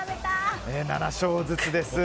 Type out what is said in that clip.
７勝ずつです。